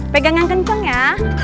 pegangan kenceng ya